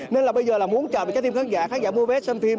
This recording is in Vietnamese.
nên là bây giờ là muốn trả mặt cho tìm khán giả khán giả mua vé xem phim